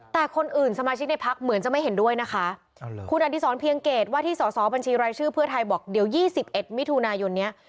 แต่คนอื่นสมาชิกในพักเหมือนจะไม่เห็นด้วยนะคะเอาเลยคุณอันตรีสอนเพียงเกรษว่าที่สอสอบบัญชีรายชื่อเพื่อไทยบอกเดี๋ยวยี่สิบเอ็ดมิถุนายนเนี้ย